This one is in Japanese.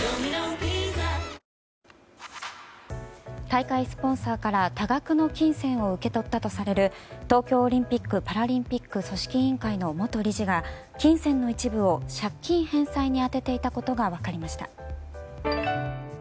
大会スポンサーから多額の金銭を受け取ったとされる東京オリンピック・パラリンピック組織委員会の元理事が金銭の一部を借金返済に充てていたことが分かりました。